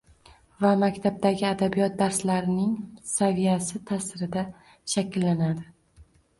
va maktabdagi adabiyot darslarining saviyasi ta’sirida shakllanadi.